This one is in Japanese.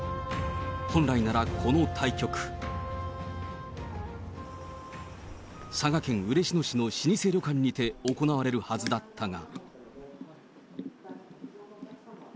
本来ならこの対局、佐賀県嬉野市の老舗旅館にて行われるはずだったが。